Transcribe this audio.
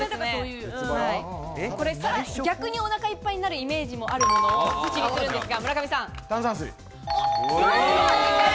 逆におなかいっぱいになるイメージもあるものを口にするんですが。